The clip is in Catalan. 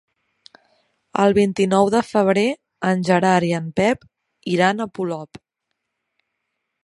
El vint-i-nou de febrer en Gerard i en Pep iran a Polop.